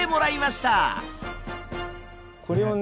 これをね